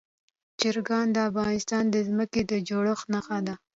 چرګان د افغانستان د ځمکې د جوړښت نښه ده.